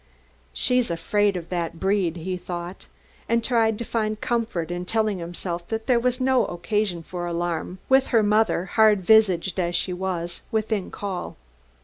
"She's afraid of that 'breed,'" he thought, and tried to find comfort in telling himself that there was no occasion for alarm, with her mother, hard visaged as she was, within call.